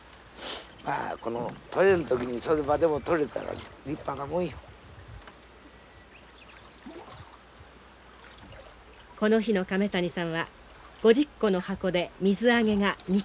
まあこの取れん時にそれまでも取れたら立派なもんよ。この日の亀谷さんは５０個の箱で水揚げが２キロ。